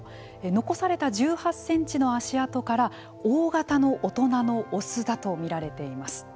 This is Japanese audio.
残された１８センチの足跡から大型の大人のオスだとみられています。